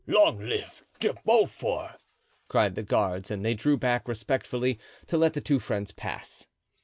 "Long live De Beaufort!" cried the guards, and they drew back respectfully to let the two friends pass.